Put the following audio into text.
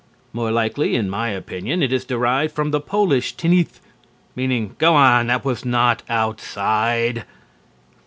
More likely, in my opinion, it is derived from the Polish "Tinith!" meaning "Go on, that was not outside!"